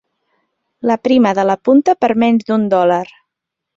L'aprima de la punta per menys d'un dòlar.